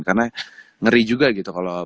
karena ngeri juga gitu kalau